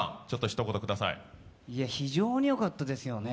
非常によかったですよね